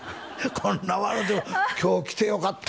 こんな笑うてる今日来てよかった